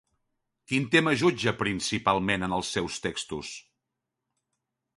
Quin tema jutja, principalment, en els seus textos?